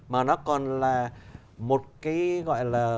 mà nó còn là một cái gọi là